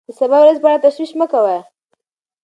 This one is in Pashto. د سبا ورځې په اړه تشویش مه کوه.